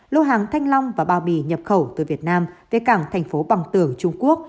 lô hàng thanh long và bao bì nhập khẩu từ việt nam về cảng tp bằng tường trung quốc